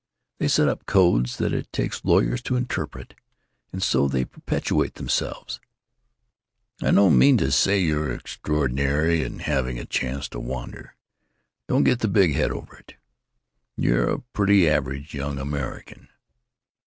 They set up codes that it takes lawyers to interpret, and so they perpetuate themselves. I don't mean to say you're extraordinary in having a chance to wander. Don't get the big head over it. You're a pretty average young American.